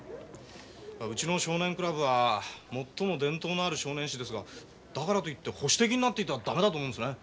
うちの「少年クラブ」は最も伝統のある少年誌ですがだからといって保守的になっていてはダメだと思うんですね。